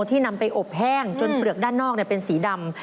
นำไปอบแห้งจนเปลือกด้านนอกเป็นสีดำ